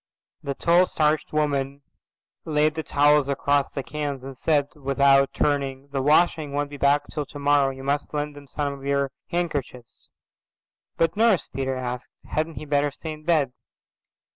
The tall starched woman laid the towels across the cans and said, without turning, "The washing won't be back till tomorrow. You must lend him some of your handkerchiefs." "But, Nurse," Peter asked, "hadn't he better stay in bed?"